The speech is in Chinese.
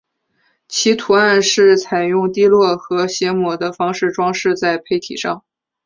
其图案是采用滴落和揩抹的方法装饰在坯体上。